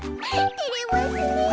てれますねえ。